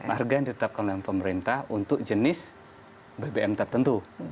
harga yang ditetapkan oleh pemerintah untuk jenis bbm tertentu